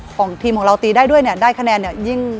ของทีมของเราตีได้ด้วยได้คะแนน